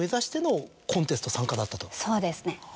そうですね。